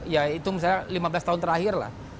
ya itu misalnya lima belas tahun terakhir lah